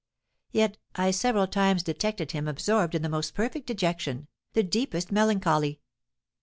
Yet I several times detected him absorbed in the most perfect dejection, the deepest melancholy.